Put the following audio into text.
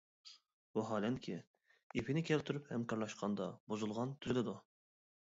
ۋاھالەنكى، ئېپىنى كەلتۈرۈپ ھەمكارلاشقاندا بۇزۇلغان تۈزۈلىدۇ.